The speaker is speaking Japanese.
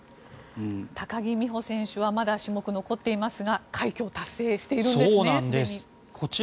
高木美帆選手はまだ種目が残っていますが快挙を達成しているんですすでに。